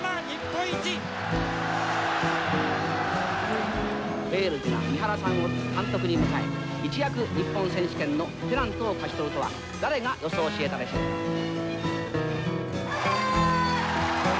「ホエールズが三原さんを監督に迎え一躍日本選手権のペナントを勝ち取るとは誰が予想しえたでしょうか」。